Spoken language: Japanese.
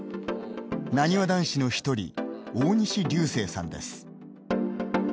なにわ男子の１人大西流星さんです。